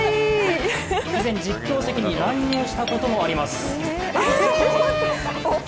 以前、実況席に乱入したこともあります。